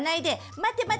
待て待て！